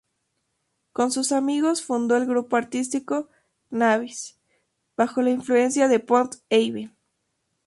Con sus amigos, fundó el grupo artístico Nabis, bajo la influencia de Pont-Aven.